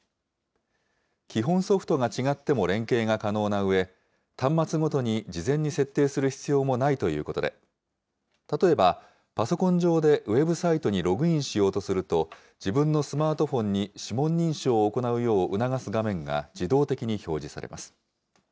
基本ソフトが違っても連携が可能なうえ、端末ごとに事前に設定する必要もないということで、例えば、パソコン上でウェブサイトにログインしようとすると、自分のスマートフォンに指紋認証を行うよう促す画面が自動的に表示されます。